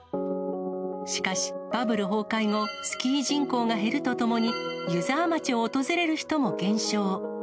しかし、バブル崩壊後、スキー人口が減るとともに、湯沢町を訪れる人も減少。